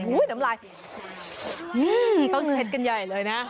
น้ำลายต้องเช็ดกันใหญ่เลยนะ